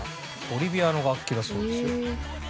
ボリビアの楽器だそうですよ。